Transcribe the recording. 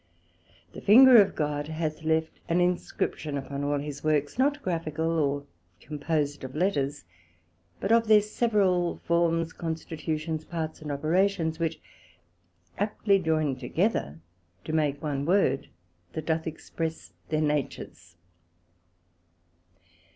The Finger of God hath left an Inscription upon all his works, not graphical, or composed of Letters, but of their several forms, constitutions, parts, and operations; which aptly joyned together do make one word that doth express their natures.